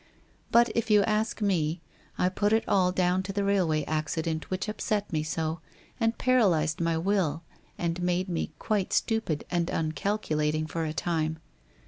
But if you ask me, I put it all down to the railway ac cident which upset me so, and paralyzed my will and made me quite stupid and uncalculating for a time.